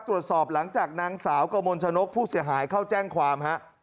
ตรวจสอบหลังจากนางสาวกมลชนกผู้เสียหายเข้าแจ้งความฮะ